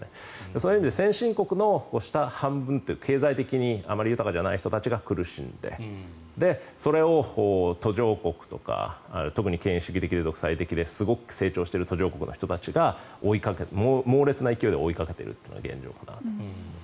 そういう意味で先進国の下半分というか経済的にあまり豊かじゃない人たちが苦しんでそれを途上国とか特に権威主義的で独裁的ですごく成長している途上国の人たちが猛烈な勢いで追いかけているのが現状かなと。